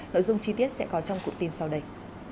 nội dung chi tiết sẽ có trong cụ tin sau đây